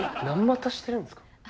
何股してるんですか？